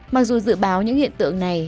mặc dù dự báo những hiện tượng này